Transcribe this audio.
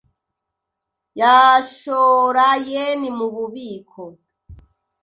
Yashora yen mububiko .